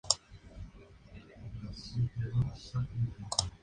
Se jugaba en superficie de arcilla.